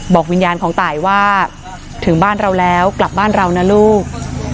บอกวิญญาณของตายว่าถึงบ้านเราแล้วกลับบ้านเรานะลูก